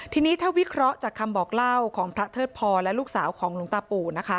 ทีนี้ถ้าวิเคราะห์จากคำบอกเล่าของพระเทิดพรและลูกสาวของหลวงตาปู่นะคะ